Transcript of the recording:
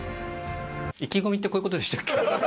意気込みって、こういうことでしたっけ？